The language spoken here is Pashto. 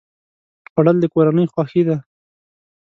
خوړل د کورنۍ خوښي ده